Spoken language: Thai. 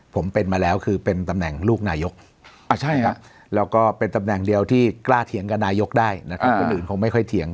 ผมเป็นมาแล้วคือเป็นตำแหน่งลูกนายกแล้วก็เป็นตำแหน่งเดียวที่กล้าเถียงกับนายกได้นะครับคนอื่นคงไม่ค่อยเถียง